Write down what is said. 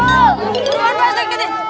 keluar pak serigiti